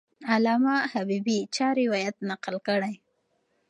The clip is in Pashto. علامه حبیبي چا روایت نقل کړی؟